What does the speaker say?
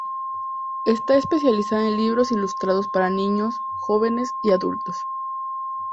Está especializada en libros ilustrados para niños, jóvenes y adultos.